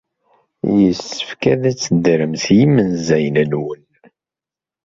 Yessefk ad teddrem s yimenzayen-nwen.